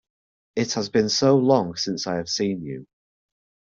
It has been so long since I have seen you!